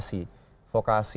di pendidikan diploma atau vokasi